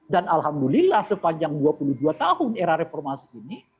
dan alhamdulillah sepanjang dua puluh dua tahun era reformasi ini